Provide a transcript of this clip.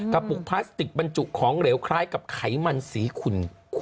กระปุกพลาสติกบรรจุของเหลวคล้ายกับไขมันสีขุ่น